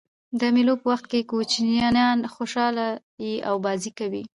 د مېلو په وخت کوچنيان خوشحاله يي او بازۍ کوي.